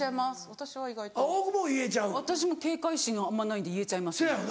私も警戒心あんまないんで言えちゃいます。